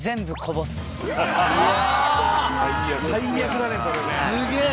最悪だねそれね。